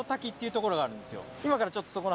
今からちょっとそこの。